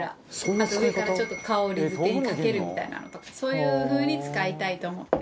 あと上からちょっと香りづけにかけるみたいなのとかそういう風に使いたいと思ってるの。